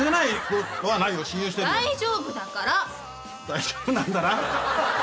大丈夫なんだな？